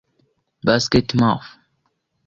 Basket Mouth